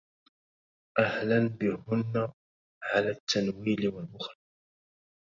أهلا بهن على التنويل والبخل